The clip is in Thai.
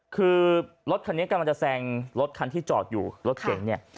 คือรถคันนี้กำลังจะแซงรถคันที่จอดอยู่รถเก๋งเนี่ย